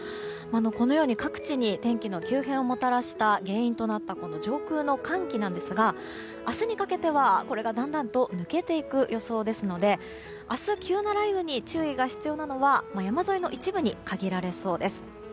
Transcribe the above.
このように各地に天気の急変をもたらした原因となった上空の寒気なんですが明日にかけてはこれがだんだんと抜けていく予想ですので明日、急な雷雨に注意が必要なのが山沿いの一部に限られそうです。